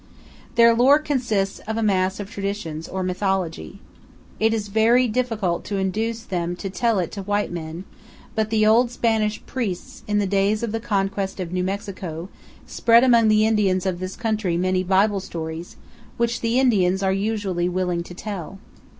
Their lore consists of a mass of traditions, or mythology. It is very difficult to induce them to tell it to white men; but the old Spanish priests, in the days of the conquest of New Mexico, spread among the Indians of this country many Bible stories, which the Indians are usually willing to tell.